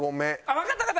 わかったわかった！